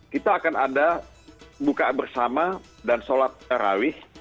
kita akan ada bukaan bersama dan sholat terawih